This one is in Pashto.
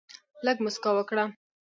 لږ مسکا وکړه.